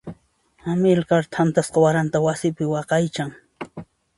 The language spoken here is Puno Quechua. Amilcar thantasqa waranta wasipi waqaychan.